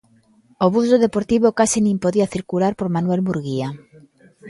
O bus do Deportivo case nin podía circular por Manuel Murguía.